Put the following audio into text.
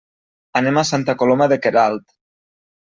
Anem a Santa Coloma de Queralt.